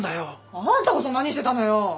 あんたこそ何してたのよ？